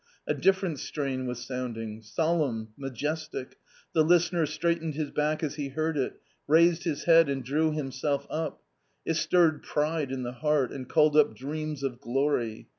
A different strain was sounding, solemn, majestic ; the listener straight ened his back as he heard it, raised his head and drew him self up ; it stirred pride in the heart and called up dreams of glory.